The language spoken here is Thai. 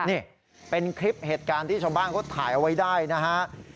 นี่เป็นคลิปเหตุการณ์ที่ชาวบ้านเขาถ่ายเอาไว้ได้นะฮะ